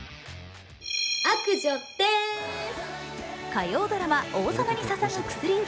火曜ドラマ「王様に捧ぐ薬指」